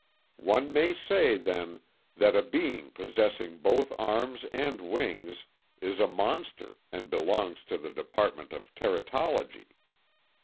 One may say, then, that a being possessing both arms and wings is a monster and belongs to the department of Teratology.